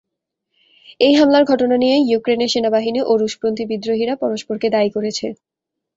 এই হামলার ঘটনা নিয়ে ইউক্রেনের সেনাবাহিনী ও রুশপন্থী বিদ্রোহীরা পরস্পরকে দায়ী করেছে।